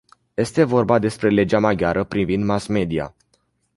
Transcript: Este vorba despre legea maghiară privind mass-media.